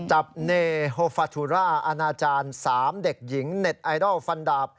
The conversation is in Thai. จับเนโฮฟาทุราอาณาจารย์๓เด็กหญิงเน็ตไอดอลฟันดาบ